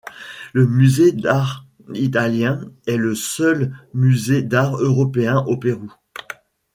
Le Musée d'Art Italien est le seul musée d'art européen au Pérou.